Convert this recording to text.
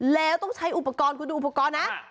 แล้วต้องใช้อุปกรณ์คุณดูอุปกรณ์นะ